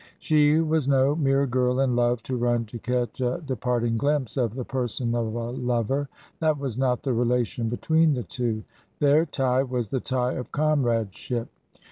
She was no mere girl in love to run to catch a departing glimpse of the person of a lover ; that was not the relation between the two : their tie was the tie of comradeship.